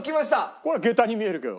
これ下駄に見えるけど。